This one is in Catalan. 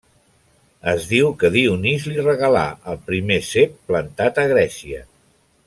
Es diu que Dionís li regalà el primer cep plantat a Grècia.